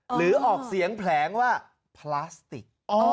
หรือออกเสียงแผลงว่าพลาสติก